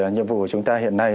nhiệm vụ của chúng ta hiện nay